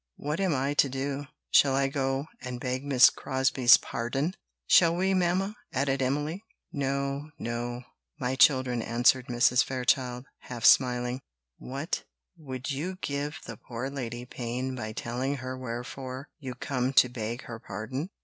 What am I to do? Shall I go and beg Miss Crosbie's pardon?" "Shall we, mamma?" added Emily. "No, no, my children," answered Mrs. Fairchild, half smiling. "What! would you give the poor lady pain by telling her wherefore you come to beg her pardon?"